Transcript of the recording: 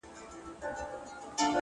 o ه شعر كي دي زمـــا اوربــل دی ـ